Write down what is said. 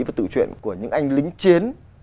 và tự chuyện của những anh lính chiến